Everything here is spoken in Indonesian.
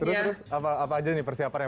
terus terus apa aja nih persiapannya